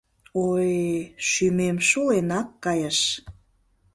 — О-ой, шӱмем шуленак кайыш...